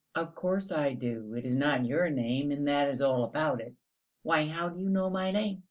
"Of course I do; it is not your name, and that is all about it." "Why, how do you know my name?"